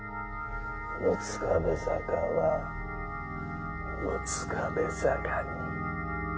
「六壁坂は六壁坂に」。